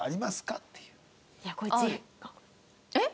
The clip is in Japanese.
えっ？